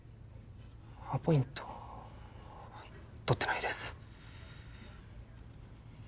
アポイントは取ってないです。